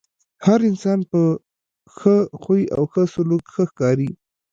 هر انسان په ښۀ خوی او ښۀ سلوک ښۀ ښکاري .